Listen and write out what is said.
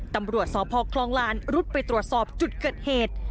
ตำรวจสพคลองลานรุดไปตรวจสอบจุดเกิดเหตุ